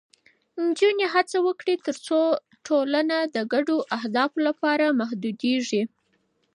نجونې هڅه وکړي، ترڅو ټولنه د ګډو اهدافو لپاره متحدېږي.